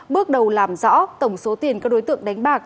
bước đầu làm rõ tổng số tiền các đối tượng đánh bạc